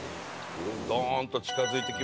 ドーンと近づいてきました。